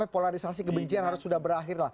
polarisasi kebencian harus sudah berakhir